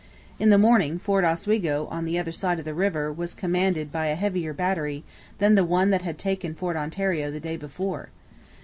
In the morning Fort Oswego on the other side of the river was commanded by a heavier battery than the one that had taken Fort Ontario the day before.